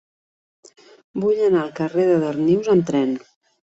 Vull anar al carrer de Darnius amb tren.